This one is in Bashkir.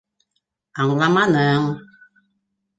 Аңламаның...